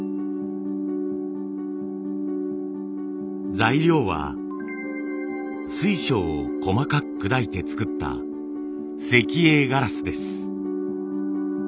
材料は水晶を細かく砕いて作った石英ガラスです。